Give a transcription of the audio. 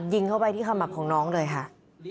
ยิงเข้าไปที่ขมับของน้องเลยค่ะ